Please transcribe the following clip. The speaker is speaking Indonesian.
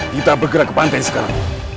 kita bergerak ke pantai sekarang